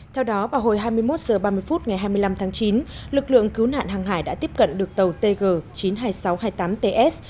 theo đó vào hồi hai mươi một h ba mươi phút ngày hai mươi năm tháng chín lực lượng cứu nạn hàng hải đã tiếp cận được tàu tg chín mươi hai nghìn sáu trăm hai mươi tám ts